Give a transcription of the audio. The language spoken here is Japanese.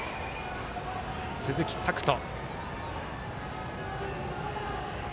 鈴木拓斗。